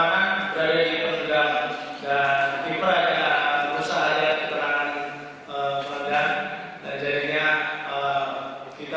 pertandingan penalti terakhir di menit tujuh puluh dua menjadi satu satu mencoba menggempur pertahanan indonesia dengan skor total lima empat untuk indonesia